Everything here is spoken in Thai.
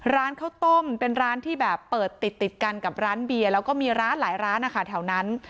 ร้านข้าวต้มเป็นร้านที่แบบเปิดติดติดกันกับร้านเบียร์แล้วก็มีร้านหลายร้านนะคะแถวนั้น